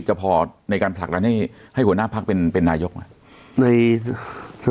จะพอในการผลักดันให้หัวหน้าพักเป็นนายกไหม